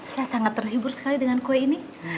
saya sangat terhibur sekali dengan kue ini